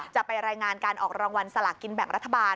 จะไปรายงานการออกรางวัลสลากินแบ่งรัฐบาล